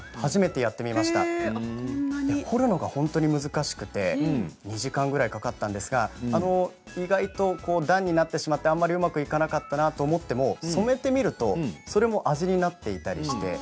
彫るのが本当に難しくて２時間ぐらいかかったんですが意外と段になってしまってあんまりうまくいかなかったなと思っても染めてみるとそれも味になっていたりして。